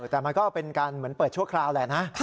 แต่มันก็เป็นการเหมือนเปิดชั่วคราวแหละนะ